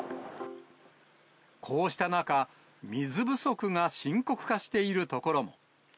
こうした中、水不足が深刻化している所も。